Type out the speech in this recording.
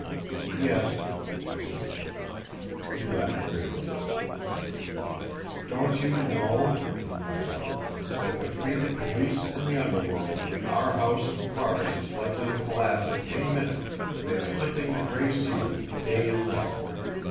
"Yes," she said. He laughed bitterly. "Don't you know," he cried out, "that between the police and the underworld, our house of cards is likely to collapse at any minute that they are hunting the Gray Seal day and night!